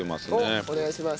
おっお願いします。